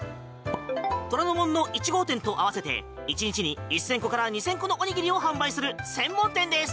虎ノ門の１号店と合わせて１日に１０００個から２０００個のおにぎりを販売する専門店です。